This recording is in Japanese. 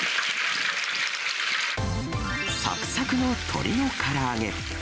さくさくの鶏のから揚げ。